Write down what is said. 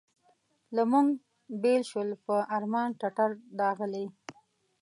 له موږ بېل شول په ارمان ټټر داغلي.